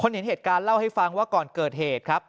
เห็นเหตุการณ์เล่าให้ฟังว่าก่อนเกิดเหตุครับ